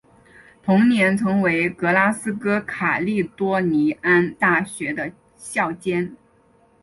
同年成为格拉斯哥卡利多尼安大学的校监。